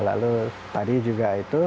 lalu tadi juga itu